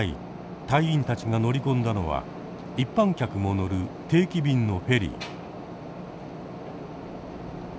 隊員たちが乗り込んだのは一般客も乗る定期便のフェリー。